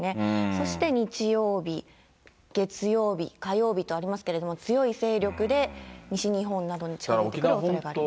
そして日曜日、月曜日、火曜日とありますけれども、強い勢力で西日本などに近づいてくるおそれがあります。